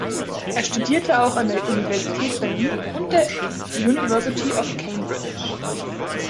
Er studierte auch an der Universität Berlin und der University of Cambridge.